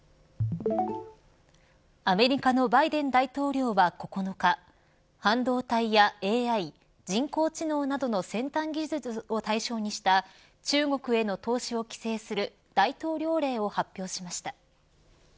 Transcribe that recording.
アメリカのバイデン大統領は９日半導体やＡＩ＝人工知能などの先端技術を対象にした中国への投資を規制する大統領令を発表しました。